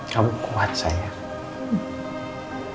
kamu kuat sayang